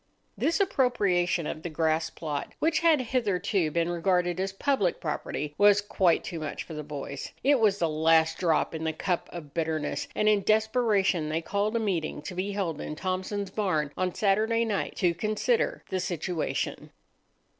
This appropriation of the grass plot, which had hitherto been regarded as public property, was quite too much for the boys. It was the last drop in the cup of bitterness, and in desperation they called a meeting to be held in Thompson's barn on Saturday night to consider the situation.